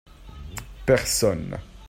personne.